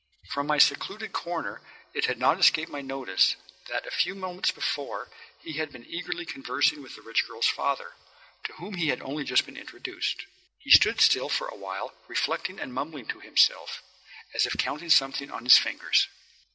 From my secluded corner it had not escaped my notice that a few moments before he had been eagerly conversing with the rich girl's father, to whom he had only just been introduced. He stood still for a while reflecting and mumbling to himself, as if counting something on his fingers.